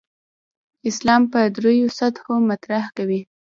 اسلام په درېو سطحو مطرح کوي.